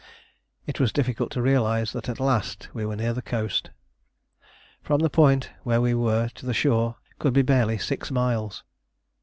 It was difficult to realise that at last we were near the coast. From the point where we were to the shore could be barely six miles.